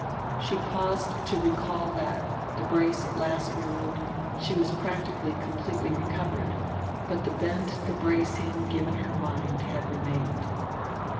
She paused to recall that, the brace at last removed, she was practically completely recovered; but the bent, the bracing, given her mind had remained.